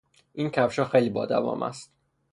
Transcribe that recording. این کفشها خیلی با دوام است.